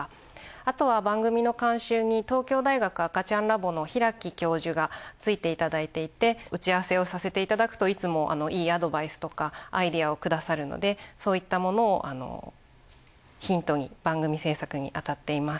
あとは番組の監修に東京大学赤ちゃんラボの開教授がついていただいていて打ち合わせをさせていただくといつもいいアドバイスとかアイデアをくださるのでそういったものをヒントに番組制作にあたっています。